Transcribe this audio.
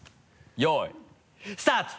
よいスタート！